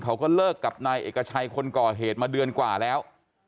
เขาก็เลิกกับนายเอกชัยคนก่อเหตุมาเดือนกว่าแล้ว